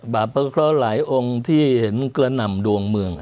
พระเคราะห์หลายองค์ที่เห็นกระหน่ำดวงเมือง